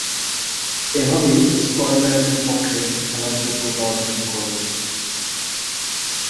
এভাবেই স্কটল্যান্ডের পক্ষে খেলার যোগ্যতা অর্জন করেন তিনি।